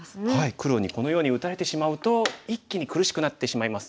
黒にこのように打たれてしまうと一気に苦しくなってしまいます。